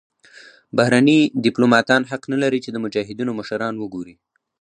بهرني دیپلوماتان حق نلري چې د مجاهدینو مشران وګوري.